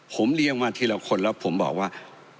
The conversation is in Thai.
ผมเลี้ยงมาทีละคนแล้วผมบอกว่า